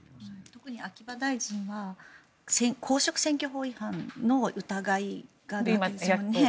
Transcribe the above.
特に秋葉大臣は公職選挙法違反の疑いがあるんですよね。